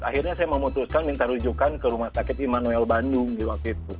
akhirnya saya memutuskan minta rujukan ke rumah sakit immanuel bandung di waktu itu